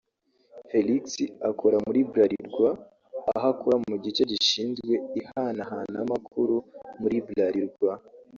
Felix akora muri Bralirwa aho akora mu gice gishinzwe ihanahanamakuru muri Bralirwa